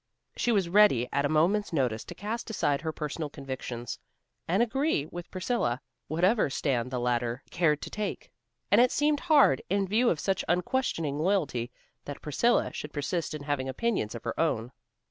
She was ready at a moment's notice to cast aside her personal convictions, and agree with Priscilla, whatever stand the latter cared to take, and it seemed hard, in view of such unquestioning loyalty, that Priscilla should persist in having opinions of her own.